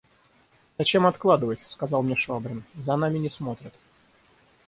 «Зачем откладывать? – сказал мне Швабрин, – за нами не смотрят.